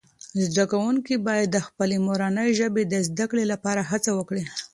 زده کوونکي باید د خپلې مورنۍ ژبې د زده کړې لپاره هڅه وکړي.